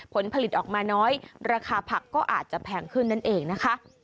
ผลผลิตออกมาน้อยราคาผักก็อาจจะแพงขึ้นนั่นเองนะคะ